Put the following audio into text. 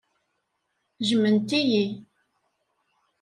Jjment-iyi.